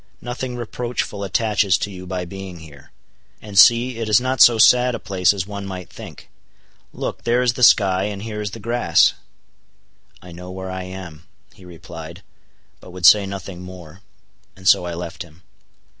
Nothing reproachful attaches to you by being here. And see, it is not so sad a place as one might think. Look, there is the sky, and here is the grass." "I know where I am," he replied, but would say nothing more, and so I left him.